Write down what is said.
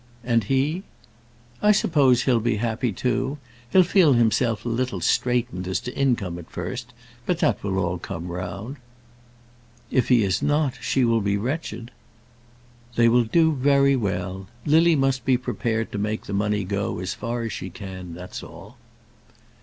"And he?" "I suppose he'll be happy, too. He'll feel himself a little straightened as to income at first, but that will all come round." "If he is not, she will be wretched." "They will do very well. Lily must be prepared to make the money go as far as she can, that's all."